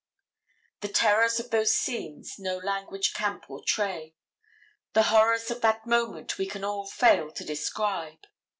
The terrors of those scenes no language can portray. The horrors of that moment we can all fail to describe.